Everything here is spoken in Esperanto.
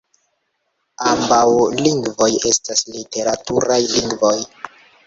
Ambaŭ lingvoj estas literaturaj lingvoj.